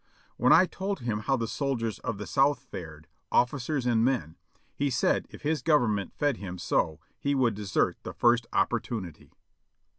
When I told him how the soldiers of the South fared, officers and men, he said if his Government fed him so he would desert the first opportunity.